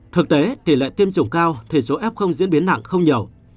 thực tế tỷ lệ tiêm chủng cao thì số f diễn biến nặng không nhiều